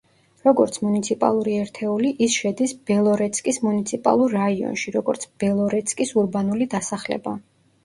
როგორც მუნიციპალური ერთეული ის შედის ბელორეცკის მუნიციპალურ რაიონში, როგორც ბელორეცკის ურბანული დასახლება.